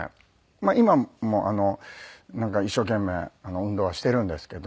今もなんか一生懸命運動はしているんですけど。